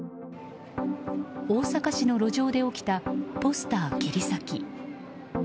大阪市の路上で起きたポスター切り裂き。